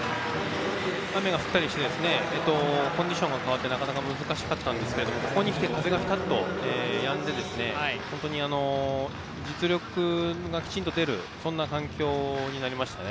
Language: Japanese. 雨が降ったりしてコンディションが変わってなかなか難しかったんですがここにきて風がぴたっとやんで本当に実力がきちんと出る環境になりましたね。